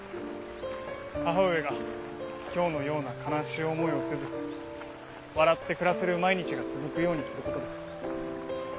母上が今日のような悲しい思いをせず笑って暮らせる毎日が続くようにすることです。